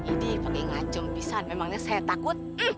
ini pakai ngacem pisahan memangnya saya takut